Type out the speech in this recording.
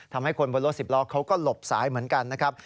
ทำให้คนบนรถสิบล้อเขาก็หลบสายเหมือนกันนะครับ